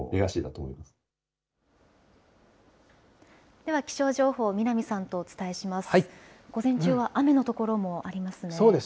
では気象情報、南さんとお伝えします。